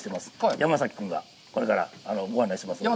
山崎君がこれからご案内します。